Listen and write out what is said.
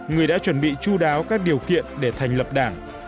người đã chuẩn bị chú đáo các điều kiện để thành lập đảng